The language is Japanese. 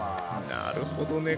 なるほどね。